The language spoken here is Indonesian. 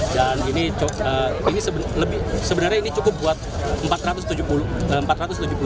dan ini sebenarnya cukup buat empat ratus tujuh puluh tujuh